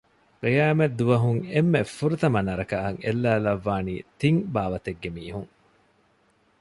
ޤިޔާމަތްދުވަހުން އެންމެ ފުރަތަމަ ނަރަކައަށް އެއްލައިލައްވާނީ ތިން ބާވަތެއްގެ މީހުން